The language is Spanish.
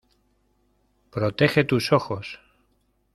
¡ Protege tus ojos!